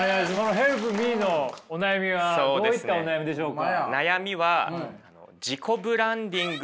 ヘルプミーのお悩みはどういったお悩みでしょうか。